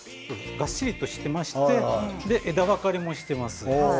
がっちりとしていまして枝分かれをしています。